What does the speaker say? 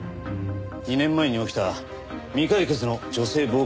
２年前に起きた未解決の女性暴行事件です。